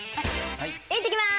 行ってきます！